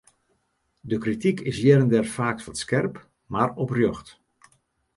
De krityk is hjir en dêr faaks wat skerp, mar oprjocht.